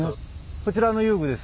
こちらの遊具です。